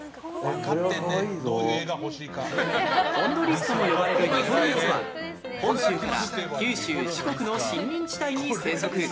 ホンドリスとも呼ばれるニホンリスは本州から九州、四国の森林地帯に生息。